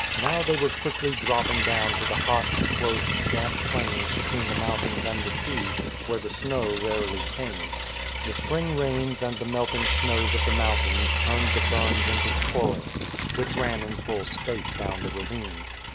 Now they were quickly dropping down to the hot, close, damp plains between the mountains and the sea, where the snow rarely came. The spring rains and the melting snows of the mountains turned the burns into torrents, which ran in full spate down the ravine.